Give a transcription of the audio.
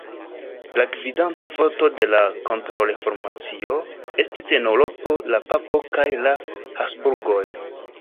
La gvidanta forto de la kontraŭreformacio estis en Eŭropo la papo kaj la Habsburgoj.